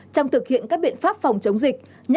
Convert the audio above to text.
trong thực hiện các biện pháp phòng chống dịch